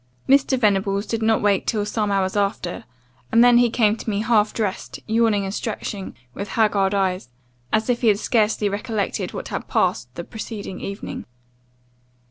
Mr. Venables did not wake till some hours after; and then he came to me half dressed, yawning and stretching, with haggard eyes, as if he scarcely recollected what had passed the preceding evening.